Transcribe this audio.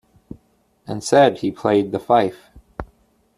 And said he played the fife.